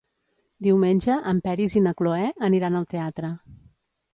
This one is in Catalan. Diumenge en Peris i na Cloè aniran al teatre.